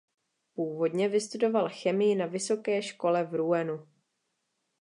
Původně vystudoval chemii na vysoké škole v Rouenu.